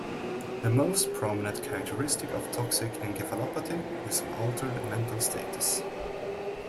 The most prominent characteristic of toxic encephalopathy is an altered mental status.